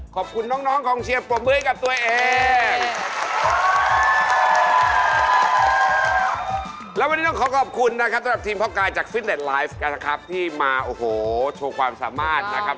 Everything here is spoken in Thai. ขอบคุณนะครับสำหรับทีมพ่อกายจากฟินเน็ตไลฟ์ที่มาโอ้โหโชว์ความสามารถนะครับ